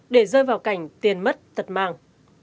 để rơi vào cảnh tiền mất thật màng